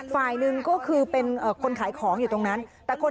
ถ้าจอโลกต่อผมก็ต้องมาถาม